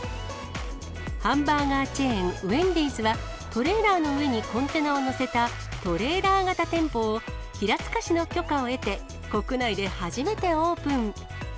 ハンバーガーチェーン、ウェンディーズは、トレーラーの上にコンテナを載せたトレーラー型店舗を、平塚市の許可を得て、国内で初めてオープン。